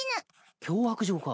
脅迫状か。